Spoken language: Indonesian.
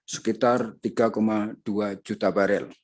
sekitar tiga dua juta barel